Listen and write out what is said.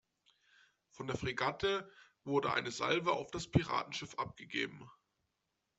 Von der Fregatte wurde eine Salve auf das Piratenschiff abgegeben.